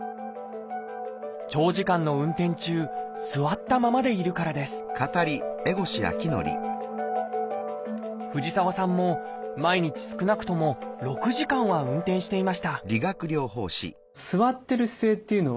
長時間の運転中座ったままでいるからです藤沢さんも毎日少なくとも６時間は運転していました